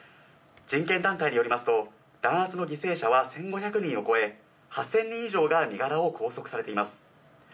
人権団体によりますと、弾圧の犠牲者は１５００人を超え、８０００人以上が身柄を拘束されています。